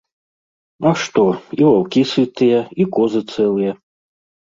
А што, і ваўкі сытыя, і козы цэлыя.